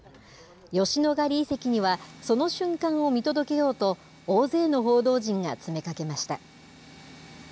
吉野ヶ里遺跡には、その瞬間を見届けようと、大勢の報道陣が詰めかけました。